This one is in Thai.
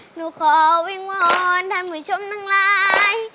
หนูขอวิงวนท่านผู้ชมท่านก็อะไร